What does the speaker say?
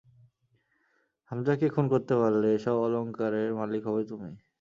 হামযাকে খুন করতে পারলে এসব অলঙ্কারের মালিক হবে তুমি।